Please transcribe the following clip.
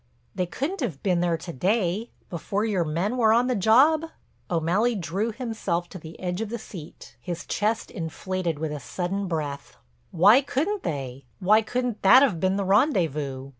"They couldn't have been there to day—before your men were on the job?" O'Malley drew himself to the edge of the seat, his chest inflated with a sudden breath: "Why couldn't they? Why couldn't that have been the rendezvous?